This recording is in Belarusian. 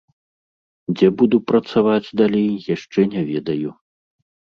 Дзе буду працаваць далей яшчэ не ведаю.